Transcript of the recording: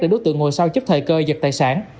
để đối tượng ngồi sau chấp thời cơ giật tài sản